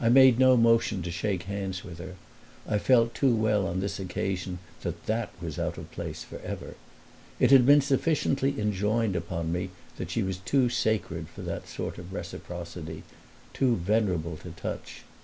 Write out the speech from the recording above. I made no motion to shake hands with her; I felt too well on this occasion that that was out of place forever. It had been sufficiently enjoined upon me that she was too sacred for that sort of reciprocity too venerable to touch.